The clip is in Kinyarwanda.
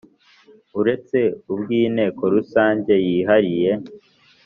uretse ubw Inteko Rusange yihariye